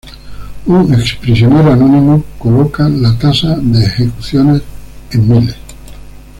Un ex prisionero anónimo coloca la tasa de ejecuciones en 'miles'.